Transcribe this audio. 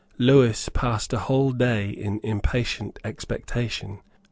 Lewis passed a whole day in impatient expectation.